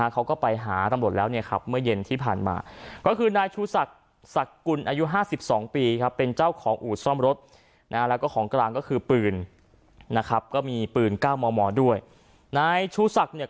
เขาก็ไปหารำรวจแล้วเมื่อเย็นที่ผ่านมา